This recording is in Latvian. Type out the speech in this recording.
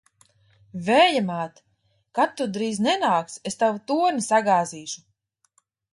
Vēja māt! Kad tu drīzi nenāksi, es tavu torni sagāzīšu!